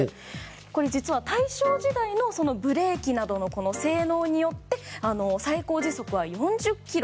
これ実は、大正時代のブレーキなどの性能によって最高時速は４０キロ。